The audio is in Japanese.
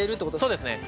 そうですね。